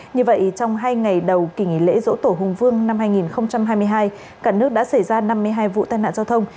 như vậy trong hai ngày đầu kỳ nghỉ lễ dỗ tổ hùng vương năm hai nghìn hai mươi hai cả nước đã xảy ra năm mươi hai vụ tai nạn giao thông